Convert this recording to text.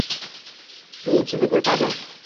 Qiyinchilik o‘tadi.